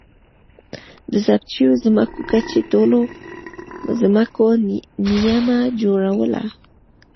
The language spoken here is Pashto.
د ضبط شویو ځمکو کچې ټولو ځمکو نییمه جوړوله.